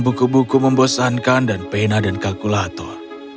buku buku membosankan dan pena dan kalkulator